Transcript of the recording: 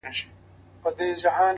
هېره چي یې نه کې پر ګرېوان حماسه ولیکه-